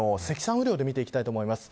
雨量で見ていきます。